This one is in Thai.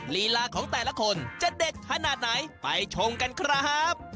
ลีลาของแต่ละคนจะเด็ดขนาดไหนไปชมกันครับ